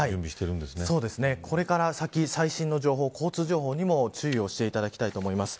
これから先、最新の情報交通情報にも注意していただきたいと思います。